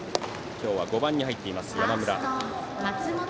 今日は５番に入っています、山村。